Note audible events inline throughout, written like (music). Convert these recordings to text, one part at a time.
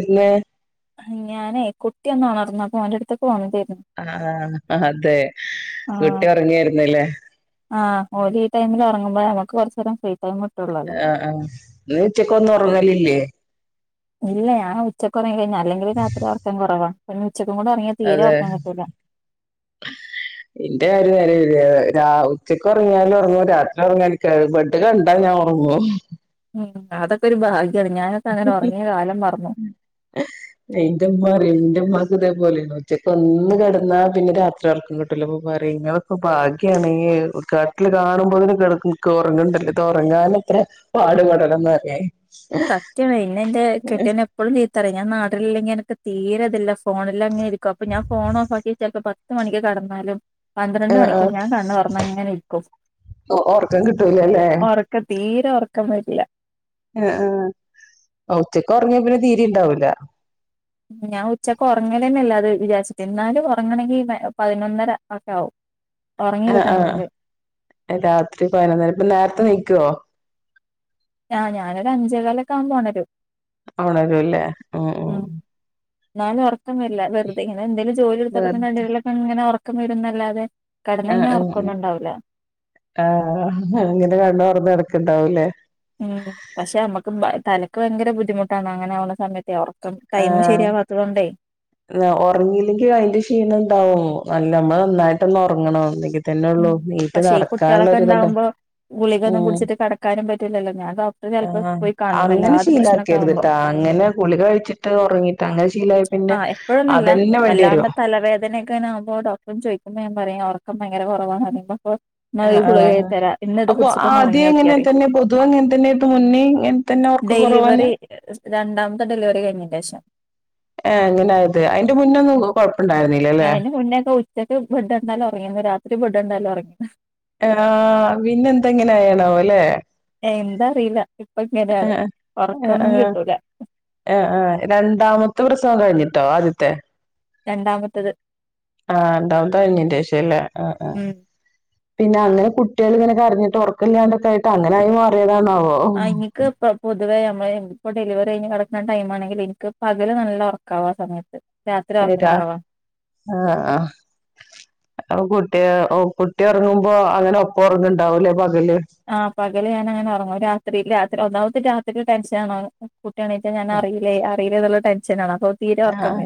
എന്ന് ഞാനേ കുട്ടിയൊന്ന് ഒണർന്നു അപ്പൊ ഓന്റ അട്ത്ത്ക്ക് പോന്നതെര്ന്നു. ആഹ് അതെ ആഹ് കുട്ടി ഒറങ്ങെർന്നുലെ. ആഹ് ഓലീ ഈ ടൈമില് ഒറങ്ങുമ്പുഴ നമക്ക് കൊറ്ചേരം ഫ്രീ ടൈമ് കിട്ടൊള്ളോലൊ. ആഹ് ആഹ് ഇങ്ങള് ഉച്ചക്ക് ഒന്നും ഒറങ്ങലില്ലെ. ഇല്ല ഞാ ഉച്ചക്കൊറങ്ങിഴിഞ്ഞ അല്ലെങ്കിലെ രാത്രി ഒറ്ക്കം കൊറവ അപഞി ഉച്ചക്കു കൂട ഒറങ്ങ്യ. അതേ. ഇന്റെ കാര്യം നേരെ വിബരീത രാ ഉച്ചക്ക് ഒറങ്ങിയാലും ഒറ്ങ്ങും രാത്രി ഒറങ്ങി (unintelligible) ഇത് കണ്ടാ ഞാൻ ഓറ്ങ്ങും. ഉം അതൊക്കൊരു ഭാഗ്യാണ് ഞാനൊക്ക അങ്ങനെ ഒറങ്ങിയ കാലം മാറന്നു. ഇന്റെ ഇമ്മ അറയ് ഇന്റെമ്മാക്ക് ഇതേപോലെയെർന്നു ഉച്ചക്ക് ഒന്ന് കടന്നാ പിന്നെ രാത്രി ഒർക്കം കിട്ടൂല ഇപ്പൊ പറിയ്. ഇപ ബാക്കിയാണ് ഈ കട്ട്ല് കാണുമ്പൊത്തിന് ഒറങ്ങ്ണണ്ടലൊ ഇത് ഒറങ്ങാനത്രെ. പാടുപെടന്നറയ്. സത്യാണെ ഇന്നെ ഇന്റേ കെട്ട്യോന് എ എപ്പഴും ചീത്തറിയ് ഞാ നാട്ടിലില്ലെങ്കി അനക്ക് തീരതില്ല ഫോണിലെന്നെ ഇരിക്കും അപ്പൊ ഞാൻ ഫോൺ ഓഫാക്ക്യ‌ ചെൽ പത്ത് മണിക്ക് കടന്നാലും. പന്ത്രണ്ട് ആഹ് മണിക്കും ആഹ് ഞാൻ കണ്ണ് തൊർന്നങ്ങനെ ഇര്ക്കും ഒറക്കം കിട്ടൂലല്ലേ ഒറ ഇപ്പ തീരെ ഒറക്കം വരില്ല. ആഹ് ആഹ് ഉച്ചക്ക് ഒറങ്ങ്യ പിന്നെ തീരെ ഇണ്ടാവൂല. ഞാൻ ഉച്ചക്ക് ഒറങ്ങലന്നെല്ല അത് വിചാരിച്ചിട്ട് എന്നാലും ഒറങ്ങണെങ്കി പതിനൊന്നര ഒക്കെ ആവും. ഉറങ്ങി ആഹ് കിട്ടണെങ്കില് ആഹ് രാത്രി പതിനൊന്നരം ഇപ്പ നേര്ത്തെ നീക്ക്വോ? ആഹ് ഞാനൊരു അഞ്ചേ കാലൊക്കാവുമ്പൊ ഒണരും. ഒണരുല്ലെ ഉം ഉം ഇന്നാലും ഒറ്ക്കം വരില്ല വെറുതെ ഇങ്ങനെന്തേലും ജോലി ഇട്ത്തക്കൊതന്നെ (unintelligible) ഇങ്ങനെ ഒറ്ക്കം വരും ന്നല്ലാതെ. ആഹ് ആഹ് ആഹ് ആഹ് അങ്ങനെ കണ്ണ് തൊറ്ന്ന് കടക്ക്ണ ഇണ്ടാവുല്ലേ. ഉം പക്ഷേ നമ്മുക്ക് തലയ്ക്ക് ഭയങ്കര ബുദ്ധിമുട്ടാണ് അങ്ങനെയാവുന്ന സമയത്ത്. (unintelligible) ഒറ്ക്കം ടൈമ് ശരിയാവത്തതോണ്ടെ. ഒറ്ങ്ങീല്ലെങ്കി അതിന്റെ ക്ഷീണം ഇണ്ടാവും നല്ല നമ്മള് നന്നായിട്ടൊന്ന് ഒറ്ങ്ങണം ഇന്നങ്കിലെ തന്നെ ഉള്ളു ഉം നീറ്റ് പക്ഷെ ഈ കുട്ടികളൊക്കെ നടക്കാള്ളൊരു ഇത്ണ്ടൊ ഉണ്ടാവുമ്പോ ഗുളികൊന്നും കുടിച്ചിട്ട് കടക്കാനും പറ്റില്ലല്ലൊ ഞാൻ ഡോക്ടറെ ചെൽപ്പൊ ആഹ് പോയി കാണും അങ്ങനെ വല്ലാതെ പ്രശ്നൊക്ക ആവുമ്പൊ. ശീലാക്കരുത്ട്ടാ അങ്ങനെ ഗുളിക കഴിച്ചിട്ട് ഒറ്ങ്ങീട്ട് അങ്ങനെ ശീലായ പിന്നെ അതെന്നെ വേണ്ട്യേരും. തലവേദനെ ക്കനാവുമ്പൊ ഡോക്ടറെ ചോദിക്കുമ്പൊ ഞാൻ പറയും ഒറ്ക്കം ഭയങ്കര കൊറവാണ് പറയുമ്പോപ്പം ആഹ് ആഹ് അപ്പൊ ആദ്യേ ഉറങ്ങിയോക്കി ഇങ്ങനെ പറയും തന്നെ പൊതുവെ ഇങ്ങൻ തന്നെ ഇപ്പം മുന്നേ ഇങ്ങ ഡെലിവറി രണ്ടാമ്ത്തെ ഡെലിവറി കഴിഞ്ഞീന്റേഷം ആഹ് അങ്ങനെ ആയത് അയിന്റെ മുന്നൊന്നും ഉം കൊഴപ്പ്ണ്ടാര്ന്നിലലെ അതിന് മുന്നേക്കെ വി ഉച്ചക്ക് ബെഡ് കണ്ടാലോ ഒറങ്ങി ഇന്ന് രാത്രി ബെഡ് കണ്ടാലോ ഒറങ്ങി. ആഹ് പിന്നെന്തയിങ്ങനെ ആയോണാവല്ലെ എന്താ അറീല, ഇപ്പോ ഇങ്ങനെയാണ് ഒറക്കൊന്നും കിട്ടൂല. ആഹ് ആഹ് രണ്ടാമത്തെ പ്രസവം കഴിഞ്ഞിട്ടോ ആദ്യത്തെ? രണ്ടാമത്തത്. ആഹ് രണ്ടാമത്തേ കഴിഞ്ഞേന്റെ ശേഷവല്ലേ? ആഹ് ആഹ് ഉം പിന്നെ അങ്ങനെ കുട്ട്യാളിങ്ങനെ കരഞ്ഞിട്ട് ഒറകെല്ലാണ്ടൊക്കെ ആയിട്ട് അങ്ങനായി മാറിയതാണാവോ. ആ ഇനിക്ക് ഇപ്പം പൊതുവേ നമ്മള് ഇപ്പോ ഡെലിവറി കഴിഞ്ഞ് കെടക്കുന്ന ടൈമാണെങ്കില് ഇനിക്ക് പകല് നല്ല ഒറക്കാവും ആ സമയത്ത് രാത്രി ഉറക്കം എന്നിട്ടാ കുറവാ ആഹ് ആഹ് അപ്പോ കുട്ടിയള് കുട്ടി ഒറങ്ങുമ്പോ അങ്ങനെ ഒപ്പം ഒറങ്ങ് ഇണ്ടാവുല്ലേ പകല്? ആഹ് പകല് ഞാനങ്ങനെ ഒറങ്ങും രാത്രിയില് രാത്രി ഒന്നാമത് രാത്രിയിക്ക് ടെൻഷനാണാണും കുട്ടി എണീറ്റാ ഞാൻ അറീലേ അറീലേ എന്നുള്ള ടെൻഷനാണ് അപ്പോ ആഹ്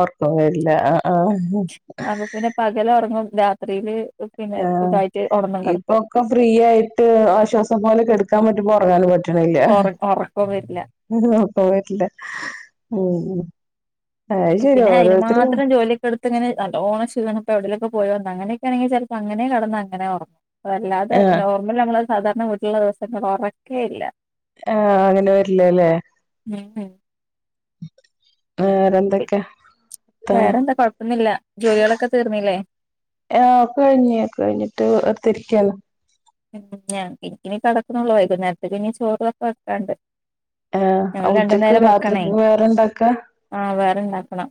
ഒറക്കം വരില്ല ആഹ് ആഹ്. അപ്പൊ പിന്നെ പകലൊറങ്ങും രാത്രിയില് പിന്നെ സുഖായിട്ട് ഒണർന്നും കെടക്കും. ഒക്കെ ഫ്രീ ആയിട്ട് ആശ്വാസം പോലെ കെടക്കാൻ പറ്റുംമ്പോ ഒറങ്ങാനും പറ്റ്ണില്ല്യ ഒറ ഒറക്കോം വരില്ല ഒറക്കം വരില്ല ഉം അഹ്ശരിയാ ഓരോരുത്തരും പണിയൊക്കെടുത്ത് ഇങ്ങനെ നല്ലോണം ക്ഷീണ ഇപ്പോ എവിടേലൊക്കെ പോയി വന്നാ അങ്ങനെക്കേണെങ്കി ചെലപ്പോ അങ്ങനെ കെടന്ന് അങ്ങനെ ഒറങ്ങും. അല്ലാതെ ആഹ് നോർമൽ നമ്മള് സാധാരണ വീട്ടില്ള്ള ദിവസക്കെ ഒറക്കേയില്ല. ആഹ് അങ്ങനെ വരിലല്ലേ? ഉം ഉം. വേറെന്തെക്കെ? വേറെന്താ കൊഴപ്പൊന്നില്ല ജോലികളൊക്കെ തീർന്നില്ലേ? ആഹ് ഒക്കെ കഴിഞ്ഞ് ഒക്കെ കഴിഞ്ഞിട്ട് വേർതെയിരിക്കാണ് ഉം എനിക്കിനി കെടക്കുണൊള്ളു വൈകുന്നേരത്തേക്ക് ഇനി ചോറൊക്കെ വെക്കാണ്ട്. ഏഹ് ഞങ്ങൾ രണ്ടു ഉച്ചക്ക് നേരം വെക്കണേ രാത്രികക്കും വേറേ ഇണ്ടാക്കാ? ആഹ് വേറെണ്ടാക്കണം.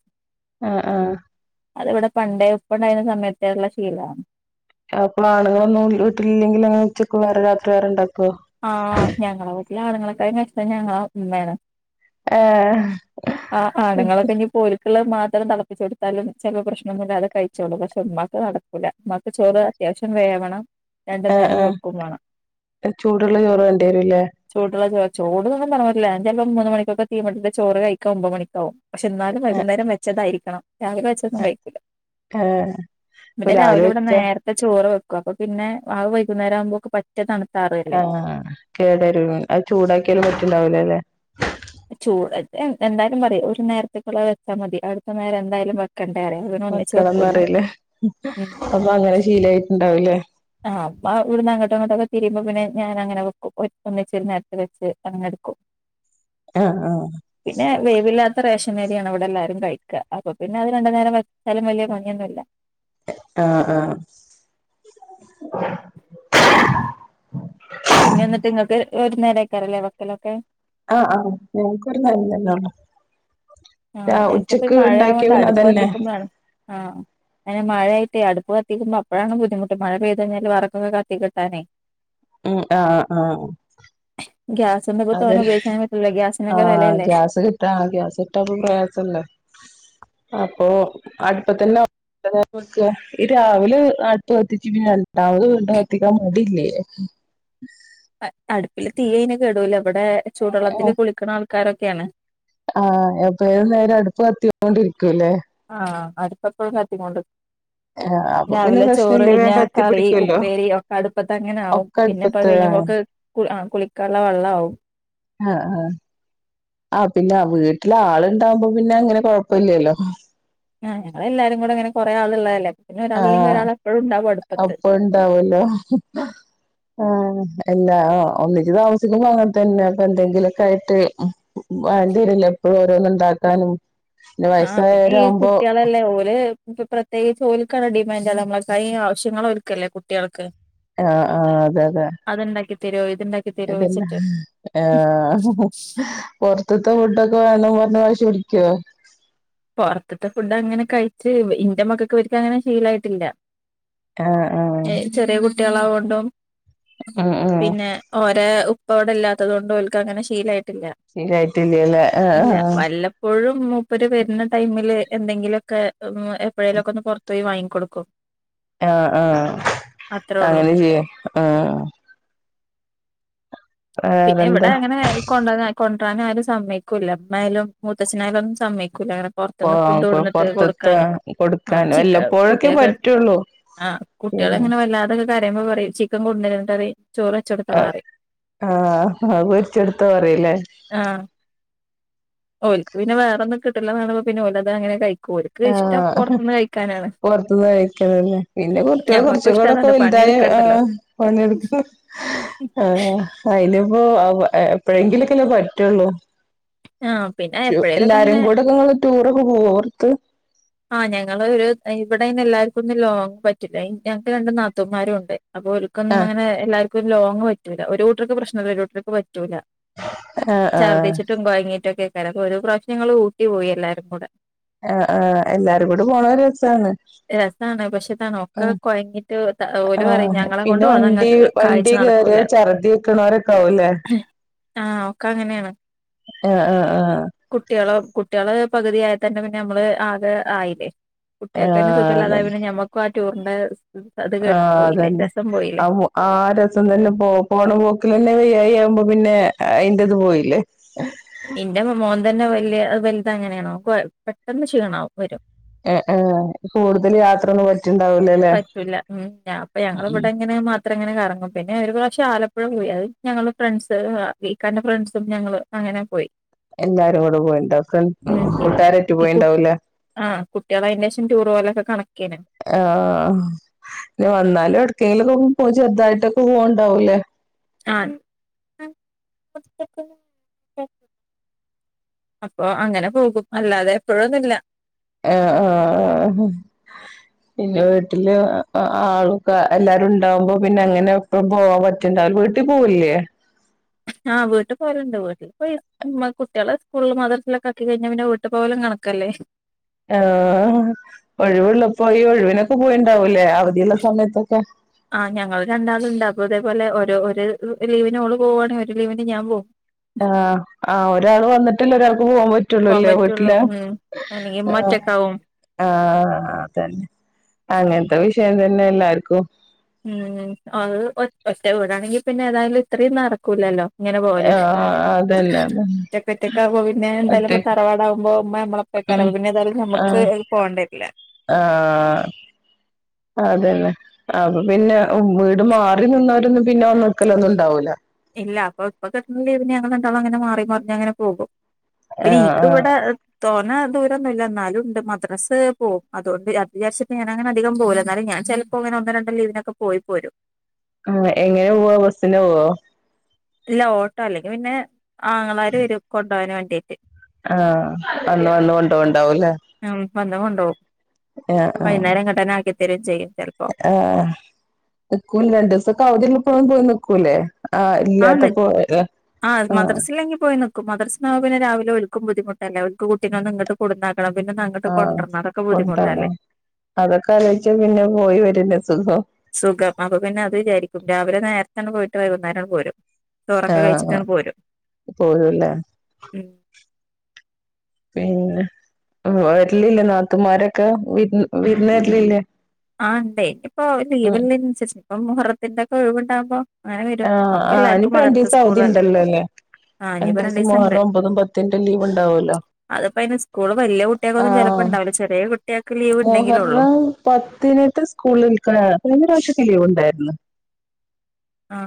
ആഹ് ആഹ് അത് ഇവടെ പണ്ടേ ഉപ്പ ഉണ്ടായിന്ന സമയത്തേയുള്ള ശീലാണ്. അപ്പളോ ആണുങ്ങളൊന്നും വീട്ടിലില്ലെങ്കിലോ അങ്ങനെ ഉച്ചക്കും വേറെ രാത്രി വേറെ ഇണ്ടാക്കോ? ആഹ് ഞങ്ങളെ വീട്ടിലെ ആണുങ്ങളെക്കായിം കശ്ട്ടം ഞങ്ങളെ ഇമ്മേണ് ഏഹ് ആഹ് ആണ്ങ്ങളൊക്കെ ഇഞ്ഞ്പ്പോൽ ക്ക്ളളത് മാത്രം തെളപ്പിച്ച് കൊടുത്താലും ചെലപ്പോ പ്രശ്നൊന്നുല്ലാതെ കഴിച്ചോളും പക്ഷെ ഇമ്മാക്ക് നട ക്കൂല, ഇമ്മാക്ക് ചോറ് അത്യാവിശ്യം വേവണം രണ്ടു നേരം വെക്കും വാണം. എഹ് ചൂടുള്ള ചോറ് വാണ്ടി വരുല്ലേ? ചൂടുള്ള ചോർ ചൂട്ന്നൊന്നും പറയാൻ പറ്റൂല്ല. ഞാൻ ചെലപ്പം മൂന്ന് മണിക്കൊക്കെ തീമെട്ടിട്ട് ചോറ് കഴിക്കാ ഒമ്പത് മണിക്കാവും. പക്ഷെ ഇന്നാലും ആഹ് വൈകുന്നേരം വെച്ചതായിരിക്കണം. രാവിലെ വെച്ചൊന്നും കഴിക്കൂല, ആഹ് ഇപ്പൊ ഇവടെ രാവിലെ ഇവിടെ വെച്ച നേര ത്തെ ചോറ് വെക്കും അപ്പം പിന്നെ വൈകുന്നേരാവുമ്പോക്ക് പറ്റെ തണുത്താറല്ലേ? ആഹ് കേടരും അത് ചൂടാക്കിയാലും പറ്റ്ണ്ടാവൂലല്ലെ? ചൂട് എന്തായാലും പറയും ഒരു നേരത്തേക്കുള്ള വെച്ചാ മതി അടുത്ത നേരം എന്തായാലും വെക്കണ്ടേറിയും വെക്കളംന്നറിയില്ലേ? ഉം അപ്പൊ അങ്ങനെ ശീലായിട്ടുണ്ടാവൂലേ? ആഹ് അപ്പോ ഇവിടുന്ന് അങ്ങട്ടോ ഇങ്ങട്ടോക്കെ തിരിയുമ്പം പിന്നെ ഞാനങ്ങനെ വെക്കും ഒന്നിച്ച് ഒരു നേരത്തെ വെച്ച് അങ്ങനെ എടു ആഹ് ആഹ്, പിന്നെ വേവില്ലാത്ത റേഷനരിയാണ് വിടെ എല്ലാരും കഴിക്ക. അപ്പൊ പിന്നത് രണ്ടു നേരം വച്ചാലും വല്യ പണിയൊന്നല്ല. ആഹ് ആഹ്. പിന്നെ ന്നിട്ട് ങ്ങക്ക് ഒരു നേര യ്ക്കാറല്ലേ വെക്കലൊക്കെ? ആഹ് ആഹ് ഞങ്ങക്കൊര് നേരം തന്നാണ്. ആഹ് ഞങ്ങക്കിപ്പ ഈ ഉണ്ടാക്കിയ മഴയാവോണ്ട് പിന്നെ അടുപ്പ് അതന്നെ കത്തിക്കുമ്പാണ്. ആഹ് ങ്ങന മഴായിട്ടേ അടുപ്പ് കത്തിക്കുമ്പ അപ്പഴാണ് ബുദ്ധിമുട്ട് മഴ പെയ്ത് കഴ്ഞ്ഞാൽ വെറകൊക്കെ കത്തി കിട്ടാനേ ഉം ആഹ് ആഹ് ഗ്യാസ്മ്മപ്പോ തോന അതന്നെ ഉപയോഗിക്കാൻ പറ്റൂല ഗ്യാസിനൊക്കെ വെലയല്ലേ. ട്ടാ ഗ്യാസ് കിട്ടാൻപ്പ പ്രയാസല്ലേ അപ്പൊ അടുപ്പത്തെന്ന (unintelligible) ഈ രാവിലെ അടുപ്പ്‌ കത്തിച്ച് പിന്നെ രണ്ടാമത് വീണ്ടും കത്തിക്കാൻ മടില്ലേ? അ അടുപ്പില് തീ അയ്ന് കെടൂല ബടെ ചൂടള്ളത്തിൽ കുളിക്കണ ആൾക്കാരൊക്കെയാണ്. ആഹ് അപ്പേത് നേരോ അടുപ്പ് കത്തിക്കൊണ്ടിരിക്കുല്ലേ? ആഹ് അടുപ്പെപ്പഴും കത്തി കൊണ്ട് ആഹ് അപ്പൊ പിന്നെ രാവിലെ ചോറ് പ്രശ്നല്ല വേഗം കഴിഞ്ഞാ കത്തി കറി, പിടിക്കുവല്ലോ ഉപ്പേരി ഒക്കെ അടുപ്പത്തങ്ങനെ ആവും. ഒക്കെ പിന്നെപ്പ അത് അടുപ്പത്ത് കഴിയുമ്പോക്ക്‌ ആഹ് കു അ കുളിക്കാൻള്ള വെള്ളാവും. ആഹ് ആഹ് ആഹ് പിന്നെ വീട്ടിലാള്ണ്ടാവുമ്പോ പിന്നെ അങ്ങനെ കൊഴപ്പല്ല്യല്ലോ. ആഹ് ഞങ്ങളെല്ലാരും കൂടെ ഇങ്ങനെ കൊറെ ആള് ളളതല്ലേ ആഹ് അപ്പൊണ്ടാവല്ലോ ആഹ് എല്ലാ ഒന്നിച്ച് താമസിക്കുമ്പോ അങ്ങൻ തന്നാ അപ്പന്തെങ്കിലൊക്കായിട്ട് വേണ്ടീരില്ലെ എപ്പളും ഓരോന്നു ണ്ടാക്കാനും പിന്നെ വയസ്സായവരാവുമ്പോ അല്ലേ ഓല് ഇപ്പ പ്രത്യേകിച്ച് ഓല്ക്കാണ് ഡിമാൻഡ് നമ്മളെ കായി ആവശ്യങ്ങളോൽക്കല്ലേ കുട്ടികൾക്ക്. ആഹ് ആഹ് അതെ അതെ. അത്ണ്ടാക്കി തെരോ ഇത്ണ്ടാക് ഇതെല്ലാം ആഹഹ പൊർത്ത്ത്തെ ഫുഡൊക്കെ വേണം പർഞ് വാശി പിടിക്കോ? പൊറത്തത്തെ ഫുഡ്ഡങ്ങനെ കഴിച്ച് ഇന്റെ മക്കക്ക് വരിക്ക ങ്ങനെ ശീലായിട്ടില്ല. ആഹ് ആഹ്. ഏഹ് ചെറിയ കുട്ട്യളാവൊണ്ടും ആഹ് ആഹ് പിന്നെ ഓരെ ഉപ്പ വ്ടെല്ലാത്തത് കൊണ്ടോൽക്കങ്ങനെ ശീലായിട്ടില്ല. ശീലായിട്ടില്ലലേ അ ആഹ് പ്പോഴും മൂപ്പര് വരുന്ന ടൈമില് എന്തെങ്കിലു ഒക്കെ ഉ എപ്പഴേലു ഒക്കൊന്ന് പൊർത്തോയി വാങ്ങിക്കൊടുക്കും. ആഹ് ആഹ് അത്രേ ഉള്ളൂ അങ്ങനെ ചെയ്യ ആഹ് പിന്നെ വേറെന്താ ഇവിടെ അങ്ങനെ കൊണ്ടന്ന കൊണ്ടരാൻ ആരും സമ്മയ്ക്കൂല്ല മ്മായാലും മൂത്തച്ഛനായാലും ഒന്നും സമ്മയ്ക്കൂല്ല (unintelligible) പൊ പൊർത്തുന്ന് ഫുഡ് കൊടുന്നിട്ട് പൊറത്തത്തെ കൊടുക്കാന്. ആഹ് കൊടുക്കാൻ ചിക്കൻ വല്ലപ്പോഴൊക്കെ കുട്ട്യേക്ക് പറ്റുള്ളൂ ആഹ് പിന്നെ കുട്ട്യളങ്ങനെ വല്ലാതൊക്കെ കരയുമ്പോ പറയും ചിക്കൻ കൊണ്ടു (unintelligible) ചോറ് ആ വച്ചെടുത്തളാറി ആഹ് അഅ് പൊരിച്ചൊടു ത്തൊ പറയുല്ലേ ആഹ് ഓൽക്ക് പിന്നെ വേറൊന്നും കിട്ടില്ലാന്ന് കാണുമ്പോ പിന്നോലത അങ്ങനെ കയ് ആഹ് അഹ് പൊർത്ത്ന്ന് കഴിക്കണല്ലെ പിന്നെ കുട്ട്യൾ കൊർ ച്ചു ഞമ്മക്കും ഇഷ്ടം കോടക്കെ അതാണ് വൽതായ പണിട്ക്കണ്ടല്ലോ ആഹ് പണിയെടുക്കു. ആഹ് അയ്നിപ്പോ അവ എപ്പഴെങ്കിലൊക്കല്ലെ പറ്റുള്ളൂ. ആഹ് പിന്നെ റ്റ്യു എപ്പഴേലൊക്കെ എല്ലാരും അങ്ങനെ കൂടെക്കെ ങ്ങള് ടൂറൊക്കെ പോകോ പൊർത്ത്? ആഹ് ഞങ്ങള് ഒരു ഇവിടെയ്ന് എല്ലാർക്കും ഒന്നും ലോങ് പറ്റില്ല ഞങ്ങക്ക് രണ്ട് നാത്തൂന്മാരും ഉണ്ട്, അപ്പൊ ഓൽക്കൊന്നും ആഹ് അങ്ങനെ എല്ലാർക്കും ഒരു ലോങ്ങ് പറ്റൂല ഒരു കൂട്ടർക്ക് പ്രശ്നില്ല ഒരു കൂട്ടർക്ക് പറ്റൂല ആഹ് ആഹ് ഛർദ്ദിച്ചിട്ടും കൊഴങ്ങീട്ടൊക്കെക്കാര ഒരു പ്രാവിശ്യം ഞങ്ങള് ഊട്ടി പോയി എല്ലാരും കൂടെ ആഹ് ആഹ് എല്ലാരും കൂടി പോണൊരു രസാണ് രസാണ് പക്ഷെ ഇതാണ് ഒക്കെ ആഹ് കൊഴഞ്ഞിട്ട് ഓര് പറയും ആഹ് ഞങ്ങളെ പിന്നെ കൊണ്ട് പോന്ന വണ്ടി ഇങ്ങക്ക് കാഴ്ച വണ്ടി കേറിയ നടക്കൂല ഛർദി വെക്കണോരൊക്കെ ആവൂല്ലേ ആഹ് ഒക്കെ അങ്ങനേണ് ആഹ് ആഹ് ആഹ് കുട്ടികളൊ കുട്ടികള് പകുതി ആയ തന്നെ പിന്നെ നമ്മള് ആകെ ആയില്ലെ കുട്ടിയേക്കെന്നെ സുഖല്ലാതായ അതന്നെ പിന്നെ ഞമ്മക്കും ആ ടൂറിന്റെ അത് കേ പോയില്ലെ അതന്നെ രസം ആ പോയില്ലെ ആഹ് ആ രസം തന്നെ പോ പോണ പോക്കിലന്നെ വൈയായിക ആവുമ്പ പിന്നെ അയിന്റിത് പോയില്ലെ (inaudible) ഇന്റെ മോൻ തന്നെ വല്യ വലുതങ്ങനെയാണ് ഓൻ പെട്ടെന്ന് ക്ഷീണാവും വരും ഏഹ് ഏഹ് കൂടുതൽ യാത്രൊന്നും പ റ്റുണ്ടാവൂലല്ലെ പറ്റൂല്ല ഉം ഞാപ്പ ഞങ്ങളിവിടങ്ങനെ അത്രങ്ങനെ കറങ്ങും പിന്നെ ഒരു പ്രാവിശെ ആലപ്പുഴ പോയി അത് ഞങ്ങള് ഫ്രണ്ട്സ് ഇക്കാന്റെ ഫ്രണ്ട്സും ഞങ്ങള് അങ്ങനെ പോയി എല്ലാരും കൂടെ പോയിണ്ടാക്കും ഉം കൂട്ടാരാറ്റ് ഈ കു പോയിണ്ടാവൂല്ലെ ആഹ് കുട്ടികളായേന്റേഷം ടൂർ പോലൊക്കെ കണക്കേയ്നു ആഹ് ആഹ് ആഹ് എന്നാലും എട്ക്കെങ്കിലൊന്ന് പോയി ചെറുതായിട്ടൊക്കെ പോവണ്ടാവൂല്ലേ ആഹ് അപ്പൊ അങ്ങനെ പോകും അല്ലാതെ എപ്പോഴൊന്നുല്ല ആഹ് ആഹ് ആഹ് ഉം പിന്നെ വീട്ടില് ആളുക്കെ എല്ലാരും ഉണ്ടാവുമ്പൊ പിന്നെ അങ്ങനെ എപ്പളും പോവാൻ പറ്റ റ്റുണ്ടാലു വീട്ടി പോവൂല്ലെ ആഹ് വീട്ടി പോവലിണ്ട് വീട്ട്ല് ഇപ്പൊ കുട്ടികളെ സ്കൂളിലും മദ്രസലിലൊക്കെ ആക്കി കഴിഞ്ഞ പിന്നെ വീട്ട് പോവലും കണക്കല്ലേ ആഹ് ഒഴിവുള്ളപ്പോ ഈ ഒഴുവിനൊക്കെ പോയിണ്ടാവൂല്ലേ അവധിയുള്ള സമയത്തൊക്കെ ആഹ് ഞങ്ങൾ രണ്ടാള്ണ്ട് അപ്പൊ ഇതേ പോലെ ഓരോ ഒരു ലീവിനോള് പോവാണെങ്കി ഒരു ലീവിന് ഞാൻ പോവും ആഹ് ആഹ് ഒരാൾ വന്നിട്ടില്ലെ ഒരാൾക്ക് പോവാൻ പോവാൻ പറ്റുള്ളുല്ലേ പറ്റുള്ളൂ വീട്ടില് ഉം അല്ലെങ്കി ഇമ്മ ആഹ് ഒറ്റക്കാവും ആഹ് അതന്നെ അങ്ങനത്തെ വിഷയം തന്നെ എല്ലാർക്കും ഉം അത് ഒ ഒറ്റ വീടാണെങ്കി പിന്നെ ഏതായാലും ഇത്രേം നടക്കൂല്ലല്ലോ ഇങ്ങനെ പോവല് ആഹ് അതന്നെ അതെ ഒറ്റക്കൊറ്റക്കാവുമ്പ പിന്നെ എന്തായാലു തറവാടാകുമ്പൊ ഇമ്മ നമ്മളെ ഉം പ്പേക്കാരം പിന്നെ ഏതായാലും നമുക്ക് ആഹ് പോണ്ടവരില്ല ആഹ് അതന്നെ അപ്പൊ പിന്നെ വീട് മാറി നിന്നോരൊന്നും പിന്നെ വന്ന് നിക്കലൊന്നും ഒണ്ടാവൂല്ല ഇല്ല അപ്പൊ ഇപ്പ കിട്ടണ ലീവിന് ഞങ്ങള് രണ്ടാളും അങ്ങനെ മാറിമറിഞങ്ങനെ പോകും പിന്നെ ആഹ് ആഹ് എനിക്കിവിടെ തോന്ന ദൂരൊന്നുല്ല എന്നാലും ഉണ്ട് മദ്രസ് പോവും അതോണ്ട് അത് വിചാരിച്ചിട്ട് ഞാനങ്ങനെ അധികം പോല്ല കാരണം ഞാൻ ചെല പ്പൊ ഒന്ന് രണ്ട് ലീവിനൊക്കെ പോയി പോരും ആഹ് എങ്ങനെ പോവ ബസ്സിന് പോവോ ഇല്ല ഓട്ടോ അല്ലെങ്കി പിന്നെ ആങ്ങളാര് വരും കൊണ്ടോവാൻ വേണ്ടീട്ട് ആഹ് വന്ന് വന്ന് കൊണ്ടോണ്ടാവുല്ലേ ഉം വന്ന് കൊണ്ടോവും ആഹ് വൈന്നേരം ഇങ്ങട്ടന്നാക്കി തരേം ചെയ്യും ചെലപ്പോ ആഹ് നിക്കൂലെ രണ്ടൂസൊക്കെ അവധിള്ളപ്പ പോയി നിക്കൂലെ ആഹ് ഇല്ലാത്തപ്പോവു ആഹ് ല്ലെങ്കി പോയിനി ക്കും മദർസ്ന്ന് പിന്ന രാവിലെ ഒൽക്കും ബുദ്ധിമുട്ടല്ലേ ഓൽക് കൂട്ടിങ്ങാട്ട് ങ്ങട്ട് കൊടുന്ന കണം പിന്നെന്ന് അങ്ങട്ട് ആഹ് കൊണ്ട്രണം അതൊക്കെ കൊണ്ടാണോ ബുദ്ധിമുട്ടല്ലേ അതൊക്കെ അലോച്ച പിന്നെ പോയി വരന്നെ സുഖം സുഖം അപ്പൊ പിന്നെ അത് വിചാരിക്കും രാവിലെ നേരത്തെന്ന പോയിട്ട് വൈകുന്നേരംണ് പോരും ചോറൊക്കെ ആഹ് കഴിച്ചിട്ടാണ് പോരും പോരൂല്ലേ പിന്നെ വരലില്ല നാത്തൂ മാരൊക്കെ വി വിരുന്നരലില്ലേ ആ ണ്ട് ഇപ്പോ ലീവില്ലേനൻസര്ച് ഇപ്പ മുഹുറത്തിന്റെ ഒക്കെ ഒഴിവുണ്ടാവകുമ്പോ ആഹ് ആ ഇനിപ്പ രണ്ടുസം അവധി ഉണ്ടല്ലോ അല്ലേ ആഹ് ഇനിയിപ്പോ രണ്ടീസം മുഹറം ഒമ്പതും പത്തിന്റെ ലീവ് ഉണ്ടാവല്ലോ അത്പ്പോ അതിന് സ്കൂള് വലിയ കുട്ട്യക്കൊന്നും ആഹ് ചെലപ്പോുണ്ടാവില്ല ചെറിയ കുട്ട്യക്ക് ലീവ് ഉണ്ടെങ്കിലെ ള്ളു പത്തിലേക്ക് സ്കൂളിൽക്കാ കഴിഞ്ഞപ്രാവശ്യത്തി ലീവ് ഉണ്ടായിരുന്നു ആഹ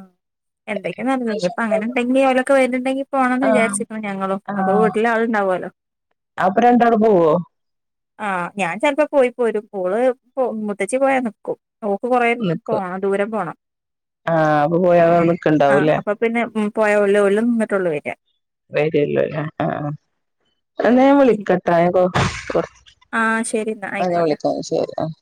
എന്തൊക്കെ നല്ല ഞ്ഞിപ്പം ഇപ്പൊ അങ്ങനെ ണ്ടെങ്കിൽ ഓലൊക്കെ വെര്ണ്ടെങ്കിൽ പോണം ന്ന് ആഹ് വിചാരിച്ചികണ് ഞങ്ങളും അപ്പൊ വീട്ടിൽ ആൾ ണ്ടാവുല്ലോ അപ്പം രണ്ടാളും പോവോ ആഹ ഞാൻ ചെലപ്പോ പോയി പോരും ഓൾ പോവും മുതച്ചി പോയ നികും ഓക് കൊറേ നിക്കും പോണം ദൂര പോണം ആഹ് അപ്പ പോയാ ആ നിക്കുണ്ടാവൂല്ലേ അപ്പൊ പിന്നെ പോയാ ഓല് ഓല് നിന്നിട്ടുള്ളൂ വെര വരല്ലോല്ല ആ എന്ന ഞാൻ വിളിക്കട്ടെ ഞാൻ കൊർ ആഹ് ശരി എന്നാ ആഹ ഞാൻ ആയിക്കോട്ടെ വിളിക്ക ശരി ആ